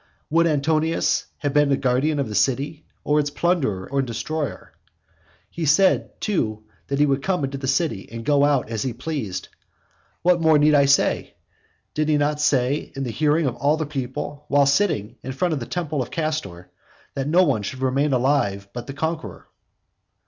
Would Antonius have been a guardian of the city, or its plunderer and destroyer? And he said too that he would come into the city and go out as he pleased. What more need I say? Did he not say, in the hearing of all the people, while sitting in front of the temple of Castor, that no one should remain alive but the conqueror?